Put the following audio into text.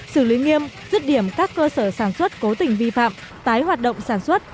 xử lý nghiêm dứt điểm các cơ sở sản xuất cố tình vi phạm tái hoạt động sản xuất